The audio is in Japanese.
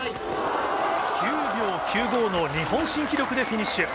９秒９５の日本新記録でフィニッシュ。